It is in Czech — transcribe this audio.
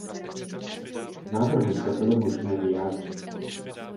K návrhu se bylo možné vyjádřit.